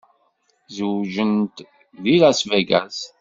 Zewǧent deg Las Vegas.